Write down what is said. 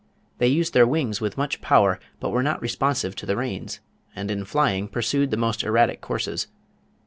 They used their wings with much power, but were not responsive to the reins, and in flying pursued the most erratic courses.